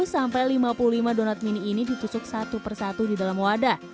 tujuh sampai lima puluh lima donat mini ini ditusuk satu persatu di dalam wadah